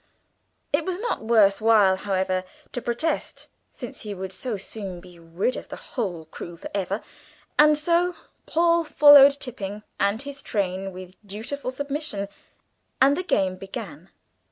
It was not worth while, however, to protest, since he would so soon be rid of the whole crew for ever, and so Paul followed Tipping and his train with dutiful submission, and the game began.